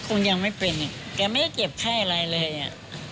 ก็คงยังไม่เป็นเนี่ยเธอไม่เก็บไข้อะไรเลยอะ